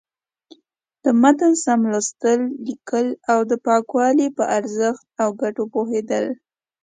د متن سم لوستل، ليکل او د پاکوالي په ارزښت او گټو پوهېدل.